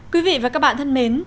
quý vị và các bạn thân mến